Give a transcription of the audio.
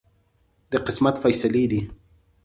د قسمت فیصلې دي.